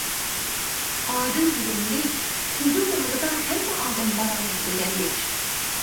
ئادىل دېگەنلىك تۈزۈم ئالدىدا ھەممە ئادەم باراۋەر دېگەنلىك.